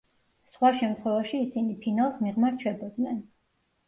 სხვა შემთხვევაში ისინი ფინალს მიღმა რჩებოდნენ.